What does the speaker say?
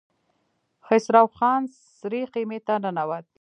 خسرو خان سرې خيمې ته ننوت.